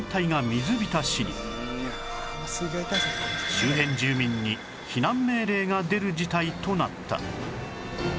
周辺住民に避難命令が出る事態となった